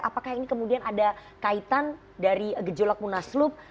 apakah ini kemudian ada kaitan dari gejolak munaslup